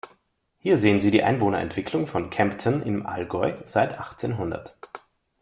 Hier sehen Sie die Einwohnerentwicklung von Kempten im Allgäu seit achtzehnhundert.